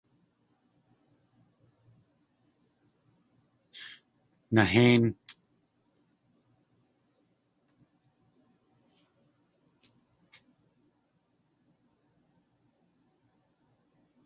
Nahéin!